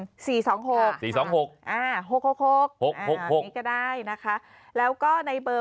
อันนี้ก็ได้นะคะแล้วก็ในเบอร์